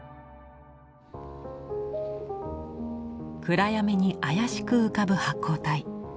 暗闇にあやしく浮かぶ発光体。